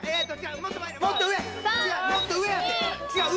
もっと上！